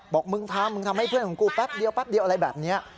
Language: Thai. บอกมึงทำมึงทำให้เพื่อนของกูแป๊บเดียวแป๊บเดียวอะไรแบบนี้